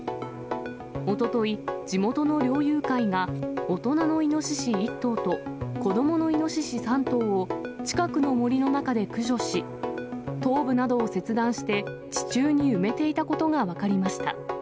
おととい、地元の猟友会が大人のイノシシ１頭と子どものイノシシ３頭を、近くの森の中で駆除し、頭部などを切断して地中に埋めていたことが分かりました。